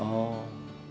kok belum ngaji